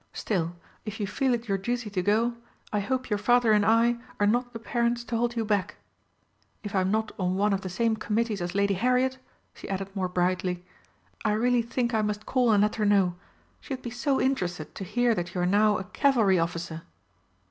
Still, if you feel it your duty to go, I hope your Father and I are not the parents to hold you back. If I'm not on one of the same committees as Lady Harriet," she added more brightly, "I really think I must call and let her know. She would be so interested to hear that you are now a Cavalry officer."